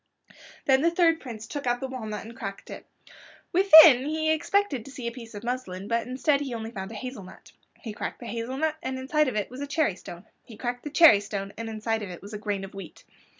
Then the third Prince took out the walnut and cracked it. Within it he expected to see a piece of muslin, but instead he found only a hazel nut. He cracked the hazel nut and inside of it was a cherry stone. He cracked the cherry stone and inside of it was a grain of wheat.